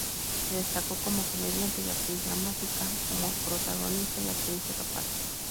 Se destacó como comediante y actriz dramática, como protagonista y actriz de reparto.